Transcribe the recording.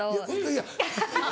いや。